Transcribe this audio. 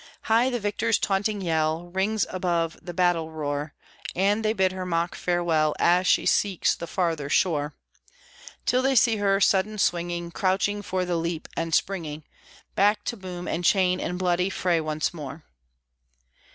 High the victor's taunting yell Rings above the battle roar, And they bid her mock farewell As she seeks the farther shore, Till they see her sudden swinging, crouching for the leap and springing Back to boom and chain and bloody fray once more.